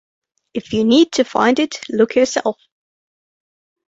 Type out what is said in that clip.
If you need to find it, look yourself